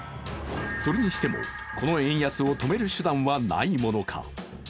それにしてもこの円安を止める手段はないものか。